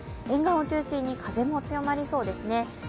沿岸を中心に風も強まりそうですね。